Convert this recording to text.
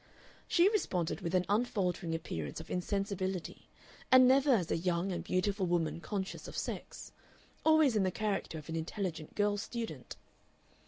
She responded with an unfaltering appearance of insensibility, and never as a young and beautiful woman conscious of sex; always in the character of an intelligent girl student.